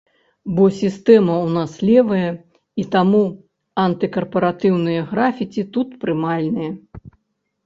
Бо сістэма ў нас левая, і таму антыкарпаратыўныя графіці тут прымальныя.